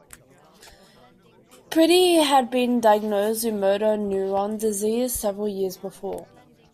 Pretty had been diagnosed with motor neurone disease several years before.